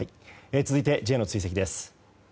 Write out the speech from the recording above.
続いてＪの追跡です。